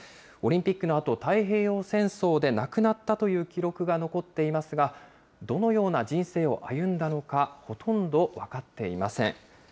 オリンピックのあと、太平洋戦争で亡くなったという記録が残っていますが、どのような人生を歩んだのか、ほとんど分かっていません。